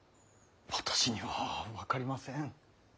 私には分かりません。